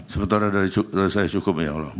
sebentar dari saya cukup ya